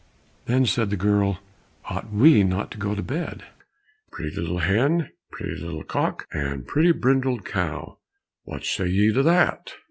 Then said the girl, "Ought we not to go to bed?" "Pretty little hen, Pretty little cock, And pretty brindled cow, What say ye to that?"